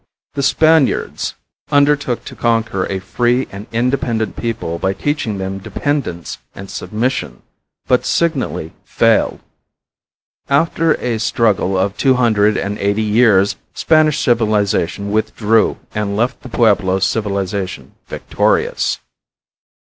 The Spaniards undertook to conquer a free and independent people by teaching them dependence and submission, but signally failed. After a struggle of two hundred and eighty years Spanish civilization withdrew and left the Pueblo civilization victorious.